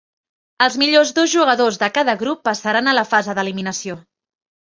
Els millors dos jugadors de cada grup passaran a la fase d'eliminació.